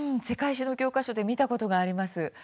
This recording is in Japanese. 世界史の教科書で見たことがあります。